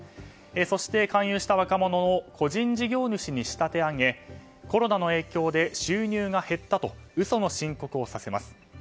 そして、勧誘した若者を個人事業主に仕立て上げコロナの影響で収入が減ったと嘘の申告をさせます。